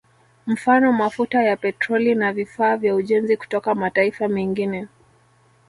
Mfano mafuta ya Petroli na vifaa vya ujenzi kutoka mataifa mengine